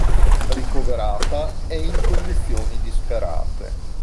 Ricoverata, è in condizioni disperate.